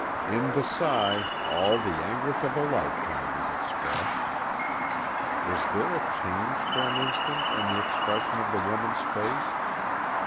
In the sigh all the anguish of a lifetime is expressed. Was there a change for an instant in the expression of the woman's face?